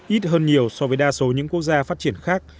ít hơn nhiều so với đa số những quốc gia phát triển khác